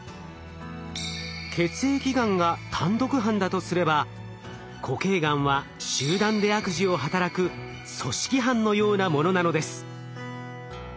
血液がんが単独犯だとすれば固形がんは集団で悪事を働く組織犯のようなものなのです。